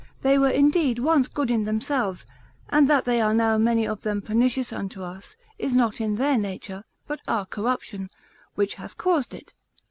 They were indeed once good in themselves, and that they are now many of them pernicious unto us, is not in their nature, but our corruption, which hath caused it.